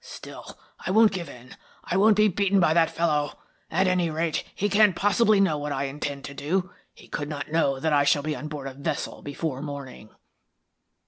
Still, I won't give in, I won't be beaten by that fellow. At any rate, he can't possibly know what I intend to do. He could not know that I shall be on board a vessel before morning."